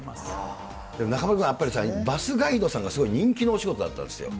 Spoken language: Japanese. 中丸君、やっぱりバスガイドさんがすごい人気のお仕事だったんですよ。